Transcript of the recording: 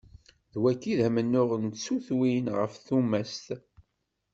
D wagi i d amennuɣ n tsutwin ɣef tumast.